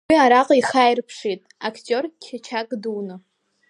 Уи араҟа ихы ааирԥшит актиор-қьачақь дуны.